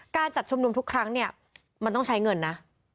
การจัดชุมนุมทุกครั้งเนี่ยมันต้องใช้เงินนะ